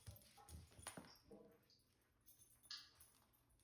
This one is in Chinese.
里氏袋鼬属等之数种哺乳动物。